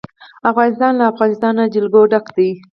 افغانستان له د افغانستان جلکو ډک دی.